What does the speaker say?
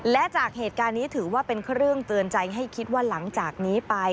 และจากเหตุการณ์นี้ถือว่าเป็นเครื่องเตือนใจให้คิดว่าหลังจากนี้ไป